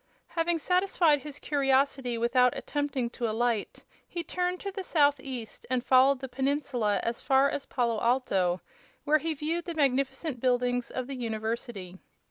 Having satisfied his curiosity without attempting to alight, he turned to the southeast and followed the peninsula as far as Palo Alto, where he viewed the magnificent buildings of the university.